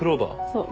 そう。